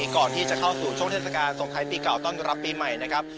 ก่อนที่จะเข้าสู่ช่วงเทศกาลส่งท้ายปีเก่าต้อนรับปีใหม่นะครับ